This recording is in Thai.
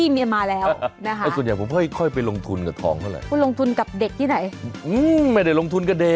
มีทอง